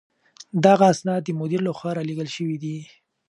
دغه اسناد د مدير له خوا رالېږل شوي دي.